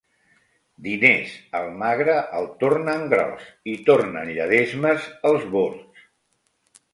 Diners el magre el tornen gros, i tornen lledesmes els bords.